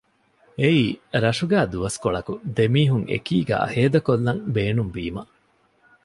އެއީ ރަށުގައި ދުވަސްކޮޅަކު ދެމީހުން އެކީގައި ހޭދަކޮށްލަން ބޭނުންވީމަ